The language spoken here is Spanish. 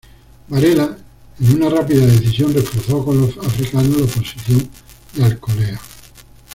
Varela, en una rápida decisión, reforzó con los africanos la posición de Alcolea.